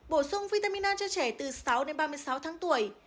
bổ sung vitamin a cho trẻ từ sáu đến ba mươi sáu tháng tuổi